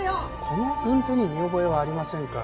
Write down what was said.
この軍手に見覚えはありませんか？